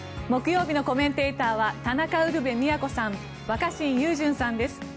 木曜日のコメンテーターは田中ウルヴェ京さん若新雄純さんです。